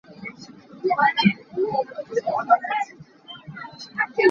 Aho dah a si?